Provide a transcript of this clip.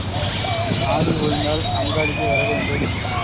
ஆடி ஓய்ந்தால் அங்காடிக்கு வர வேண்டும்.